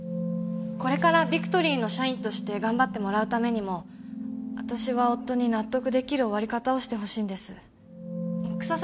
これからビクトリーの社員として頑張ってもらうためにも私は夫に納得できる終わり方をしてほしいんです草